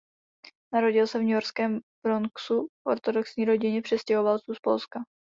Narodil se v newyorském Bronxu v ortodoxní rodině přistěhovalců z Polska.